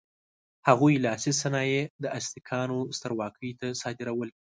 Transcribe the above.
هغوی لاسي صنایع د ازتکانو سترواکۍ ته صادرول.